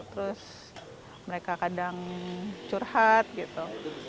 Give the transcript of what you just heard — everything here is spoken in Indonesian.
terus mereka kadang curhat gitu